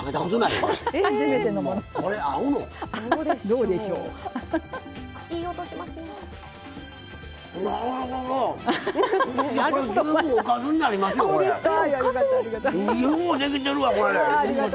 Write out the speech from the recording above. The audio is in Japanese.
ようできてるわ、これ！